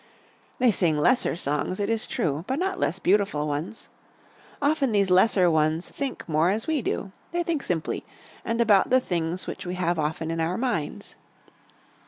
They sing lesser songs it is true, but not less beautiful ones. Often these lesser ones think more as we do. They think simply and about the things which we have often in our minds.